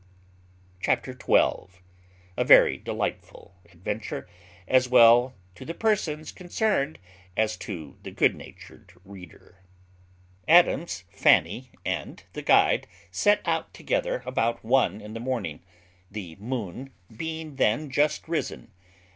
CHAPTER XII. A very delightful adventure, as well to the persons concerned as to the good natured reader. Adams, Fanny, and the guide, set out together about one in the morning, the moon being then just risen.